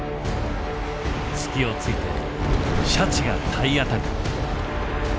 隙をついてシャチが体当たり。